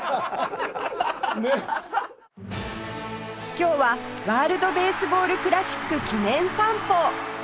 今日はワールドベースボールクラシック記念散歩